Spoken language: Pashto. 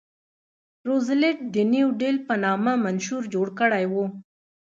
روزولټ د نیو ډیل په نامه منشور جوړ کړی و.